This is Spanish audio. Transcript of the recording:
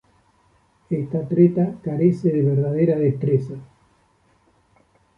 Esta treta carece de verdadera destreza.